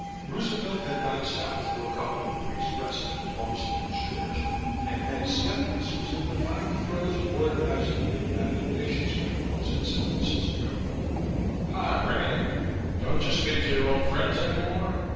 Roosevelt had gone South for a couple of weeks rest at Warm Springs, Georgia, and Ed Stettinius was in the final throes of organizing the United Nations Conference at San Francisco "Hi, Winnie? Don't you speak to your old friends any more?"